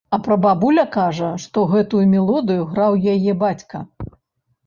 А прабабуля кажа, што гэтую мелодыю граў яе бацька.